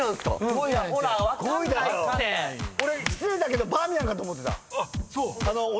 俺失礼だけど「バーミヤン」かと思ってた。